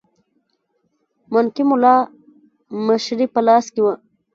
مانکي مُلا مشري په لاس کې وه.